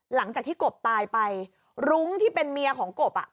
หลังจากที่กบตายไปรุ้งที่เป็นเมียของกบอ่ะ